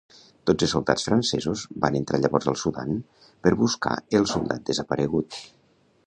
Dotze soldats francesos van entrar llavors al Sudan per buscar el soldat desaparegut.